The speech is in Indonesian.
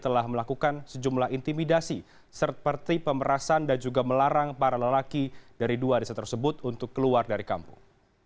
telah melakukan sejumlah intimidasi seperti pemerasan dan juga melarang para lelaki dari dua desa tersebut untuk keluar dari kampung